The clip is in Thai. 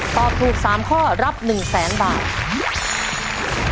ตอบถูก๓ข้อรับ๑๐๐๐๐๐บาท